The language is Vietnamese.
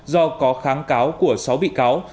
do có kháng cáo của sáu bị cáo